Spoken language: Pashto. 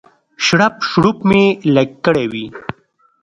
شړپ شړوپ مو لږ کړی وي.